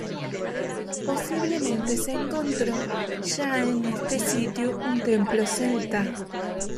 Posiblemente se encontró ya en este sitio un templo celta.